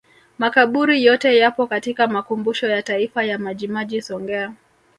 Makaburi yote yapo katika Makumbusho ya Taifa ya Majimaji Songea